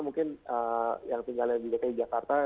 mungkin yang tinggalnya di dki jakarta